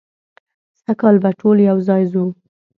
سږ کال به ټول یو ځای ځو.